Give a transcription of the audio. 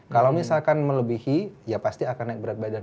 kalau misalkan melebihi ya pasti akan naik berat badan